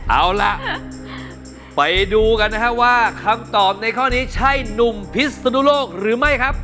เอาล่ะไปดูกันนะครับว่าคำตอบในข้อนี้ใช่หนุ่มพิศนุโลกหรือไม่ครับ